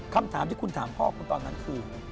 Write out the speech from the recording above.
คำถามที่คุณถามพ่อคุณตอนนั้นคือ